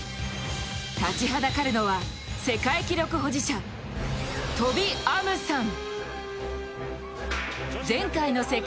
立ちはだかるのは、世界記録保持者トビ・アムサン。